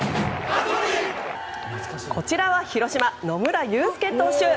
こちらは広島野村祐輔投手。